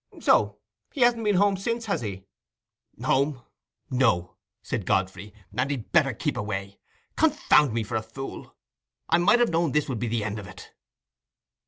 So he hasn't been home since, has he?" "Home? no," said Godfrey, "and he'd better keep away. Confound me for a fool! I might have known this would be the end of it."